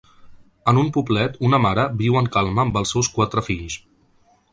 En un poblet una mare viu en calma amb els seus quatre fills.